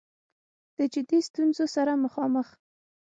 د جدي ستونځو سره مخامخ